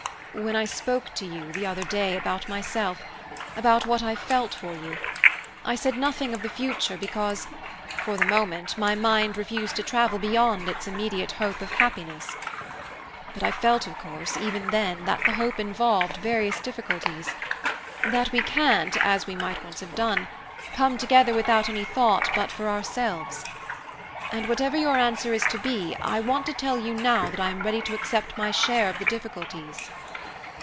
"When I spoke to you, the other day, about myself about what I felt for you I said nothing of the future, because, for the moment, my mind refused to travel beyond its immediate hope of happiness. But I felt, of course, even then, that the hope involved various difficulties that we can't, as we might once have done, come together without any thought but for ourselves; and whatever your answer is to be, I want to tell you now that I am ready to accept my share of the difficulties."